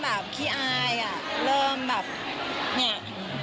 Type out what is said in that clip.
แบบนี้พี่โบต้องแทนตายไหม